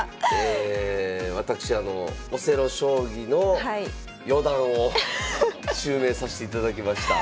私オセロ将棋の四段を襲名させていただきました。